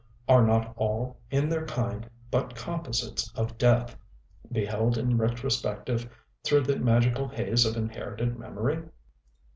are not all, in their kind, but composites of death, beheld in retrospective through the magical haze of inherited memory?